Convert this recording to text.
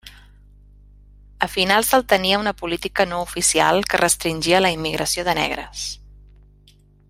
A finals del tenia una política no oficial que restringia la immigració de negres.